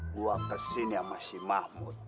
gua kesini sama si mahmud